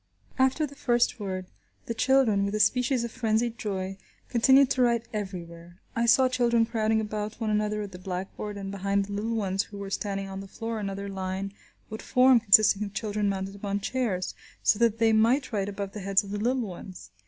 After the first word, the children, with a species of frenzied joy, continued to write everywhere. I saw children crowding about one another at the blackboard, and behind the little ones who were standing on the floor another line would form consisting of children mounted upon chairs, so that they might write above the heads of the little ones.